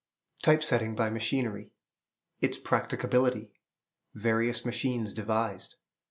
Type setting by Machinery. Its Practicability. Various Machines devised.